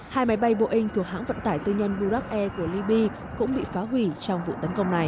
hai máy bay boeing thuộc hãng vận tải tư nhân burak air của libby cũng bị phá hủy trong vụ tấn công này